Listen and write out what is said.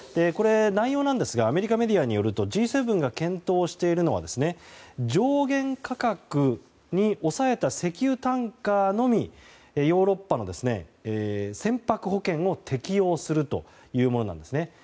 内容ですがアメリカメディアによるとＧ７が検討しているのは上限価格に抑えた石油タンカーのみヨーロッパの船舶保険を適用するというものです。